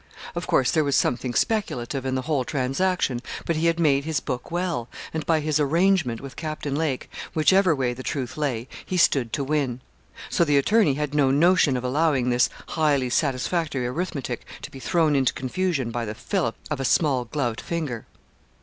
Of course there was something speculative in the whole transaction, but he had made his book well, and by his 'arrangement' with Captain Lake, whichever way the truth lay, he stood to win. So the attorney had no notion of allowing this highly satisfactory arithmetic to be thrown into confusion by the fillip of a small gloved finger.